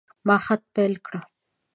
ما خط پیل کړ.